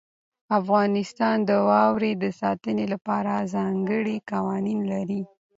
افغانستان د واورې د ساتنې لپاره ځانګړي قوانین لري.